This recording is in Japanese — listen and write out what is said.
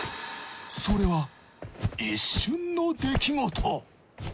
それは一瞬の出来事。